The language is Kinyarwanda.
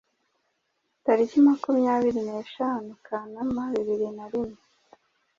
tariki makumyabiri neshanu Kanama bibiri narimwe